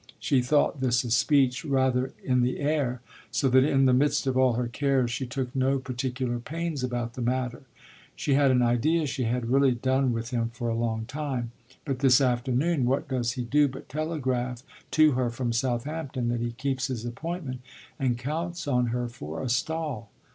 She thought this a speech rather in the air, so that in the midst of all her cares she took no particular pains about the matter. She had an idea she had really done with him for a long time. But this afternoon what does he do but telegraph to her from Southampton that he keeps his appointment and counts on her for a stall?